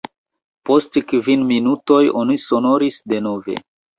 Post kvin minutoj oni sonoris denove.